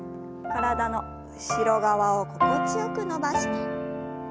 体の後ろ側を心地よく伸ばして。